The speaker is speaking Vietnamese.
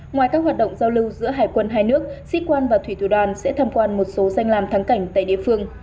ngoài các hoạt động giao lưu giữa hải quân hai nước sĩ quan và thủy thủ đoàn sẽ tham quan một số danh làm thắng cảnh tại địa phương